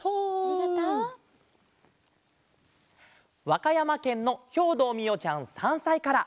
わかやまけんのひょうどうみおちゃん３さいから。